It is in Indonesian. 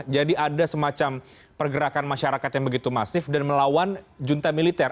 jadi ada semacam pergerakan masyarakat yang begitu masif dan melawan junta militer